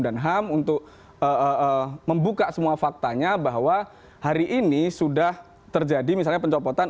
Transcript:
dan ham untuk membuka semua faktanya bahwa hari ini sudah terjadi misalnya pencopotan